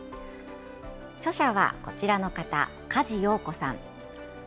著者はこちらの方、梶よう子さん。